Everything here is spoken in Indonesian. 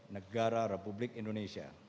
negara republik indonesia